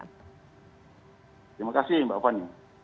terima kasih mbak opan